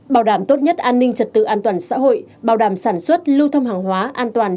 bảo đảm tốt nhất an ninh trật tự an toàn xã hội bảo đảm sản xuất lưu thông hàng hóa an toàn